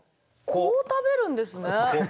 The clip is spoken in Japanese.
こう食べるんですね。